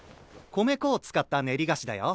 米粉を使った練り菓子だよ。